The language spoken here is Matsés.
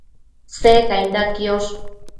Secainda quiosh